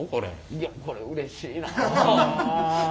いやこれうれしいなあ。